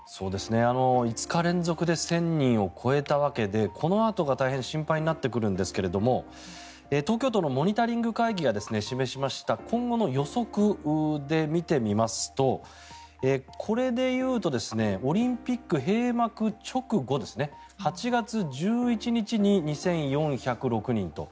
５日連続で１０００人を超えたわけでこのあとが大変心配になってくるんですが東京都のモニタリング会議が示しました今後の予測で見てみますとこれで言うとオリンピック閉幕直後８月１１日に２４０６人と。